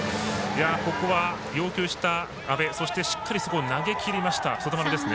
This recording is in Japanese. ここは、要求した阿部としっかりそこに投げきりました外丸ですね。